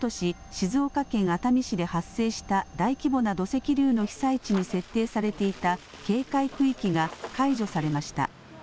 静岡県熱海市で発生した大規模な土石流の被災地に設定されていた警戒区域が解除されました。